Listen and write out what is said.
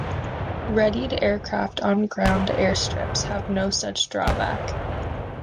Readied aircraft on ground airstrips have no such drawback.